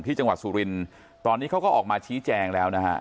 จังหวัดสุรินตอนนี้เขาก็ออกมาชี้แจงแล้วนะฮะ